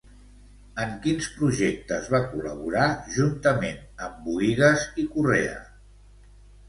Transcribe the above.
En quins projectes va col·laborar juntament amb Bohigas i Correa?